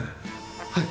はい。